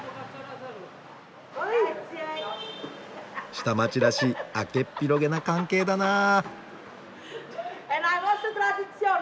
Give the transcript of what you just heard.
下町らしい開けっ広げな関係だなぁ。